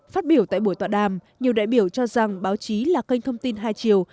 phát biểu tại buổi tọa đàm nhiều đại biểu cho rằng báo chí là kênh thông tin hai chiều